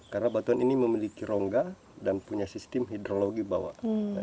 karena batuan ini memiliki rongga dan punya sistem hidrologi bawah